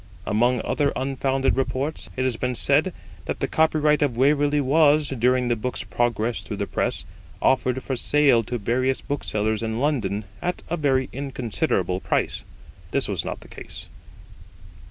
Among other unfounded reports, it has been said that the copyright of Waverley was, during the book's progress through the press, offered for sale to various book sellers in London at a very inconsiderable price. This was not the case.